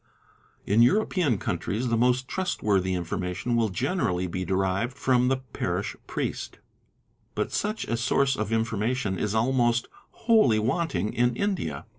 In European countries the most — trustworthy information will generally be derived from the parish priest, but such a source of information is almost wholly wanting in India.